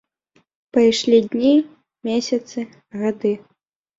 Пайшлі дні, месяцы, гады.